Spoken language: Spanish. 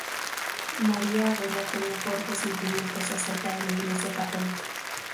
María Adela tenía fuertes sentimientos acerca de la Iglesia Católica.